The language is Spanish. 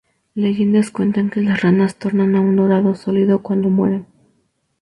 Leyendas cuentan que las ranas tornan a un dorado sólido cuando mueren.